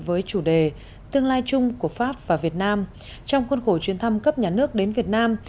với chủ đề tương lai chung của pháp và việt nam trong khuôn khổ chuyến thăm cấp nhà nước đến việt nam